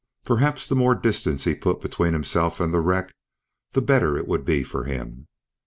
Perhaps the more distance he put between himself and the wreck, the better it would be for him.